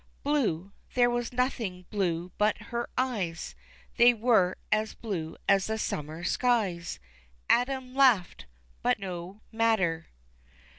Blue, there was nothing blue but her eyes, They were as blue as the summer skies, Adam laughed, but no matter.